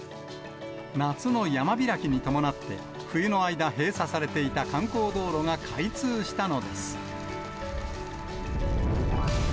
夏の山開きに伴って、冬の間、閉鎖されていた観光道路が開通したのです。